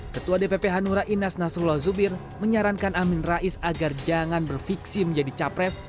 ketua dpp hanura inas nasrullah zubir menyarankan amin rais agar jangan berfiksi menjadi capres